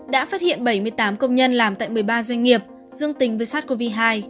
đã phát hiện bảy mươi tám công nhân làm tại một mươi ba doanh nghiệp dương tính với sars cov hai